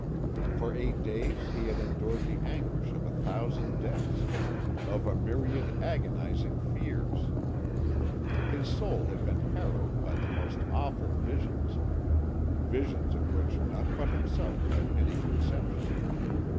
For eight days he had endured the anguish of a thousand deaths, of a myriad agonising fears. His soul had been harrowed by the most awful visions visions of which none but himself had any conception.